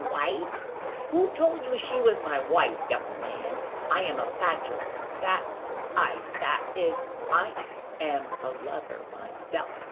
"Wife! Who told you she was my wife, young man? I am a bachelor, I that is, I am a lover myself...."